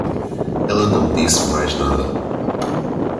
Ela não disse mais nada.